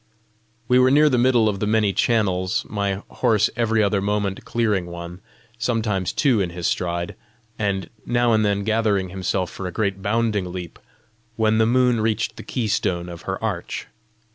We were near the middle of the many channels, my horse every other moment clearing one, sometimes two in his stride, and now and then gathering himself for a great bounding leap, when the moon reached the key stone of her arch.